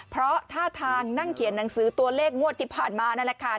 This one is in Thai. เพราะท่าทางนั่งเขียนหนังสือตัวเลขงวดที่ผ่านมานั่นแหละค่ะ